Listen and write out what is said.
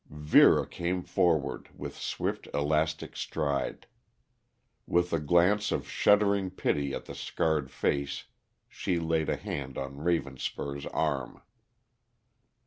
Vera came forward with swift, elastic stride. With a glance of shuddering pity at the scarred face she laid a hand on Ravenspur's arm.